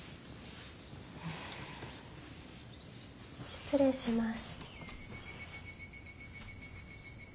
失礼します。